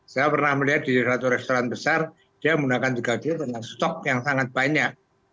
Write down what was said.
saya pernah melihat di satu restoran besar dia menggunakan juga dia dengan stok yang sangat banyak